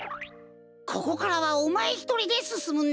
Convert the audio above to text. ここからはおまえひとりですすむんだ。